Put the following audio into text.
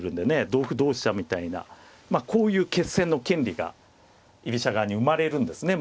同歩同飛車みたいなこういう決戦の権利が居飛車側に生まれるんですね